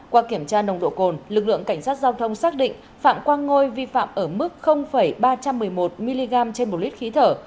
qua kiểm tra nồng độ cồn lực lượng cảnh sát giao thông xác định phạm quang ngôi vi phạm ở mức ba trăm một mươi một mg trên một lít khí thở